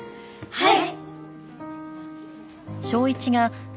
はい。